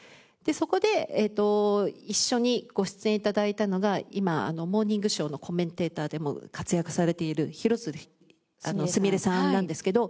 そこで一緒にご出演頂いたのが今『モーニングショー』のコメンテーターでも活躍されている廣津留すみれさんなんですけど。